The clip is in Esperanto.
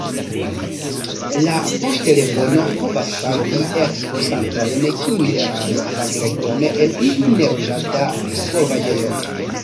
La poŝtelefono povas savi ekskursantojn, kiuj eraris la direkton en iu neloĝata sovaĝejo.